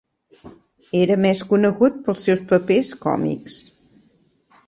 Era més conegut pels seus papers còmics.